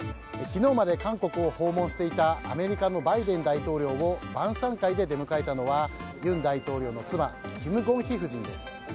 昨日まで韓国を訪問していたアメリカのバイデン大統領を晩さん会で出迎えたのは尹大統領の妻キム・ゴンヒ夫人です。